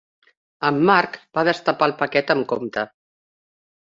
En Marc va destapar el paquet amb compte.